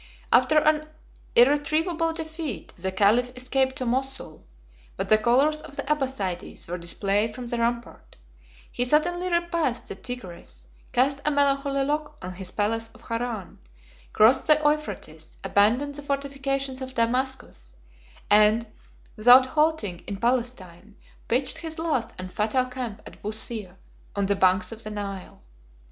After an irretrievab defeat, the caliph escaped to Mosul; but the colors of the Abbassides were displayed from the rampart; he suddenly repassed the Tigris, cast a melancholy look on his palace of Haran, crossed the Euphrates, abandoned the fortifications of Damascus, and, without halting in Palestine, pitched his last and fatal camp at Busir, on the banks of the Nile.